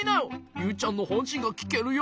ユウちゃんのほんしんがきけるよ？